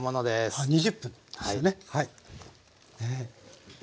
あ２０分ですよねはい。